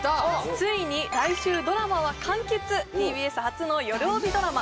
ついに来週ドラマは完結ＴＢＳ初のよるおびドラマ「